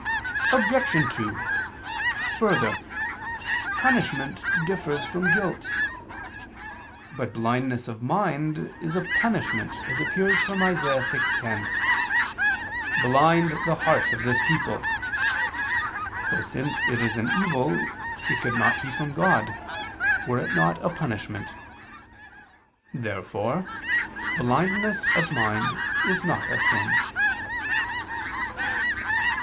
Obj. 2: Further, punishment differs from guilt. But blindness of mind is a punishment as appears from Isa. 6:10, "Blind the heart of this people," for, since it is an evil, it could not be from God, were it not a punishment. Therefore blindness of mind is not a sin.